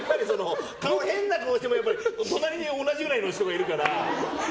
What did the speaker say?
変な顔しても隣に同じくらいの人がいるから。